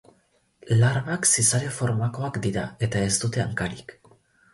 Larbak zizare formakoak dira eta ez dute hankarik.